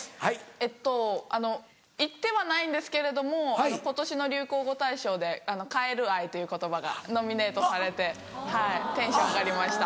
えっと言ってはないんですけれども今年の流行語大賞で「カエル愛」という言葉がノミネートされてテンション上がりました